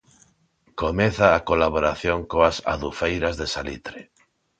Comeza a colaboración coas Adufeiras de Salitre.